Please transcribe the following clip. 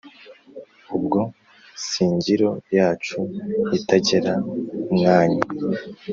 Ubwo singiro yacu itagera mwanyu?